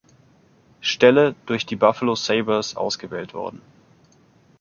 Stelle durch die Buffalo Sabres ausgewählt worden.